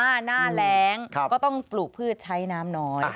หน้าแรงก็ต้องปลูกพืชใช้น้ำน้อย